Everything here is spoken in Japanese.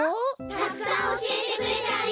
たくさんおしえてくれてありがとう！